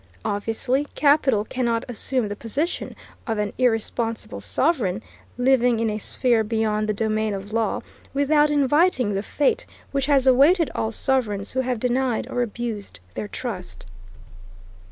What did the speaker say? Obviously, capital cannot assume the position of an irresponsible sovereign, living in a sphere beyond the domain of law, without inviting the fate which has awaited all sovereigns who have denied or abused their trust.